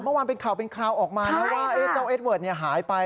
เมื่อวานเป็นข่าวเป็นคราวออกมานะว่าเจ้าเอสเวิร์ดหายไป